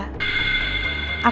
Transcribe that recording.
aku harus percaya sama suami aku